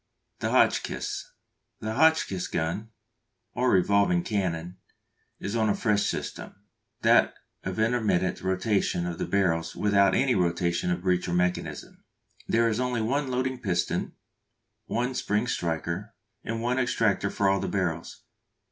The Hotchkiss. The Hotchkiss gun, or revolving cannon, is on a fresh system, that of intermittent rotation of the barrels without any rotation of breech or mechanism. There is only one loading piston, one spring striker, and one extractor for all the barrels.